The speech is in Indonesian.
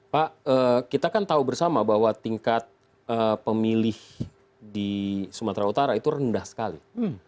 pak kita kan tahu bersama bahwa tingkat pemilih di sumatera utara itu rendah sekali